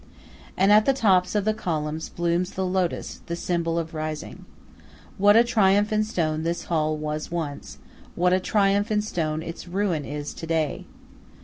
And at the tops of the columns blooms the lotus, the symbol of rising. What a triumph in stone this hall was once, what a triumph in stone its ruin is to day!